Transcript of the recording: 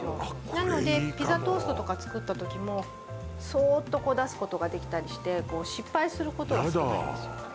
なのでピザトーストとか作ったときもそおっと出すことができたりして、失敗することが少ないんです。